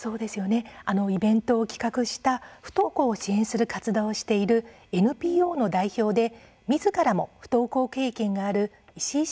イベントを企画した不登校を支援する活動をしているＮＰＯの代表でみずからも不登校経験がある石井し